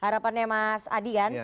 dapatnya mas adi kan